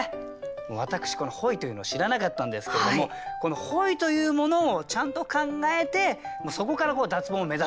私この本意というのを知らなかったんですけれどもこの本意というものをちゃんと考えてもうそこから脱ボンを目指す。